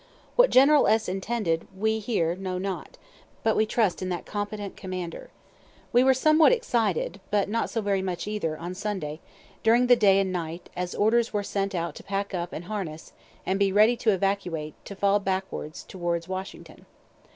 What General S. intended we here know not, but we trust in that competent commander. We were somewhat excited, (but not so very much either,) on Sunday, during the day and night, as orders were sent out to pack up and harness, and be ready to evacuate, to fall back towards Washington.